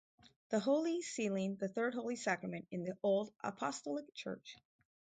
The Holy Sealing the third Holy Sacrament in the Old Apostolic Church.